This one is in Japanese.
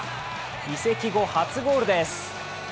移籍後、初ゴールです。